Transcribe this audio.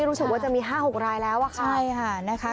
รู้สึกว่าจะมี๕๖รายแล้วอะค่ะ